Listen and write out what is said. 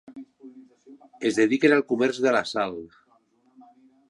Es dediquen al comerç de la sal.